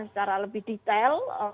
secara lebih detail